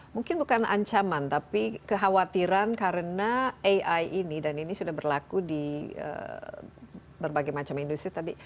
mungkin bukan ancaman tapi kekhawatiran karena ai ini dan ini sudah berlaku di berbagai macam industri tadi